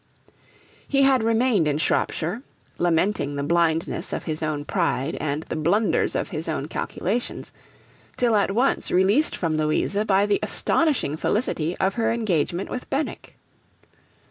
He had remained in Shropshire, lamenting the blindness of his own pride and the blunders of his own calculations, till at once released from Louisa by the astonishing felicity of her engagement with Benwick.